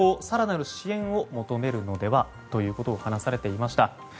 更なる支援を求めるのではということを話されていました。